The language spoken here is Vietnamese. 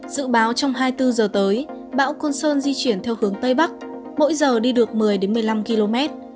dự báo trong hai mươi bốn giờ tới bão côn sơn di chuyển theo hướng tây bắc mỗi giờ đi được một mươi một mươi năm km